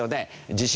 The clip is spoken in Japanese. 地震